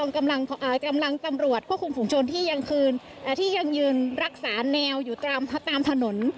กำลังตำรวจควบคุมฝุงชนที่ยังคืนที่ยังยืนรักษาแนวอยู่ตามถนน